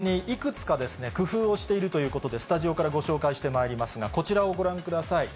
大会組織委員会側でも選手向けにいくつか工夫をしているということで、スタジオからご紹介してまいりますが、こちらをご覧ください。